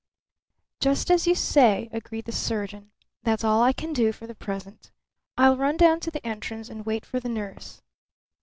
"Just as you say," agreed the surgeon. "That's all I can do for the present. I'll run down to the entrance and wait for The nurse."